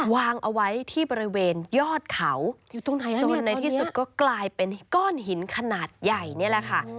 วางเอาไว้ที่บริเวณยอดเขาจนในที่สุดก็กลายเป็นก้อนหินขนาดใหญ่นี่แหละค่ะ